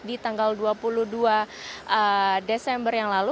di tanggal dua puluh dua desember yang lalu